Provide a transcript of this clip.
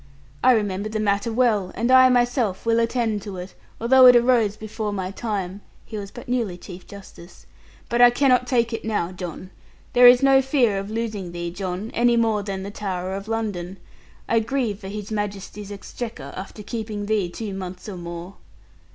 I remember the matter well, and I myself will attend to it, although it arose before my time' he was but newly Chief Justice 'but I cannot take it now, John. There is no fear of losing thee, John, any more than the Tower of London. I grieve for His Majesty's exchequer, after keeping thee two months or more.'